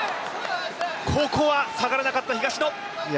ここは下がらなかった東野！